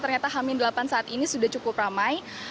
ternyata hamin delapan saat ini sudah cukup ramai